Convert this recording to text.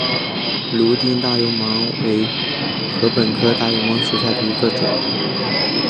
泸定大油芒为禾本科大油芒属下的一个种。